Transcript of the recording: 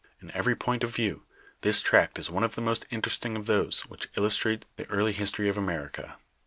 In every point of view, this tract is one of the most interesting of those, which illustrate the early history of America."